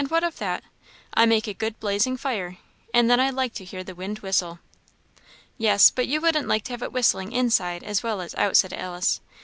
what of that? I make a good blazing fire; and then I like to hear the wind whistle." "Yes, but you wouldn't like to have it whistling inside as well as out," said Alice.